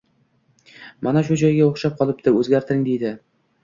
mana shu joyiga o’xshab qolibdi, o’zgartiring”, deydi.